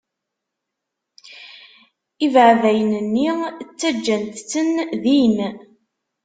Ibeεbayen-nni, ttaǧǧant-ten din.